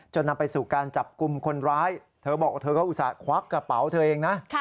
นำไปสู่การจับกลุ่มคนร้ายเธอบอกว่าเธอก็อุตส่าหวักกระเป๋าเธอเองนะ